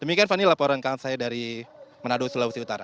terima kasih iwan hermawan yang melaporkan langsung dari manado sulawesi utara